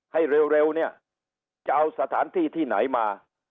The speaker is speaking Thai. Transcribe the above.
ให้เร็วเนี่ยจะเอาสถานที่ที่ไหนมา